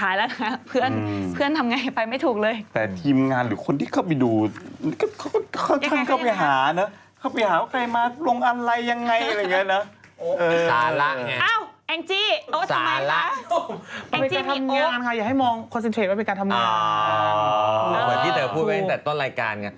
เหมือนที่เธอพูดไว้ตั้งแต่ต้นรายการไง